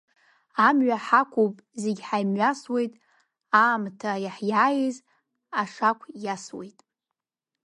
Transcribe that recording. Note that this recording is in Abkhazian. Амҩа ҳақәуп, зегь ҳамҩасуеит, аамҭа иаҳиааиз ашақә иасуеит.